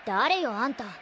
あんた。